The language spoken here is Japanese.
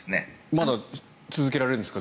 まだ続けられるんですか？